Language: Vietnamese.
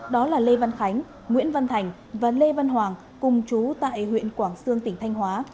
đó là lê văn khánh nguyễn văn thành và lê văn hoàng cùng chú tại huyện quảng sương tỉnh thanh hóa